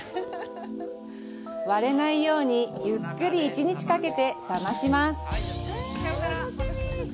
割れないようにゆっくり１日かけて冷まします。